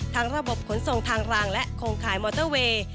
ระบบขนส่งทางรางและโครงข่ายมอเตอร์เวย์